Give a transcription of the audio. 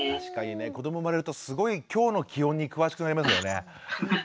子ども生まれるとすごい今日の気温に詳しくなりますよね。